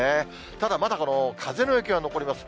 ただまだ、この風の影響が残ります。